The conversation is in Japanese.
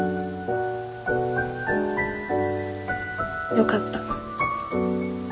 よかった。